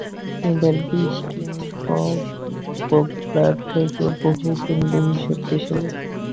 এদের বিষ কিং কোবরার থেকেও বহুগুণ বেশি শক্তিশালী।